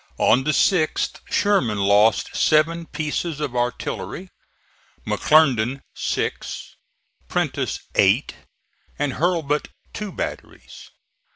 On the 6th Sherman lost seven pieces of artillery, McClernand six, Prentiss eight, and Hurlbut two batteries.